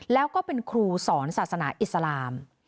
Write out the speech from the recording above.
แล้วก็เป็นครูสอนศาสนาอิสลาม